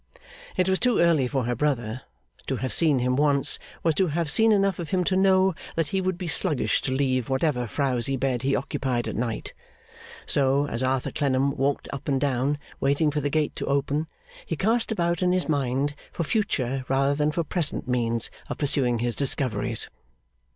It was too early for her brother; to have seen him once, was to have seen enough of him to know that he would be sluggish to leave whatever frowsy bed he occupied at night; so, as Arthur Clennam walked up and down, waiting for the gate to open, he cast about in his mind for future rather than for present means of pursuing his discoveries.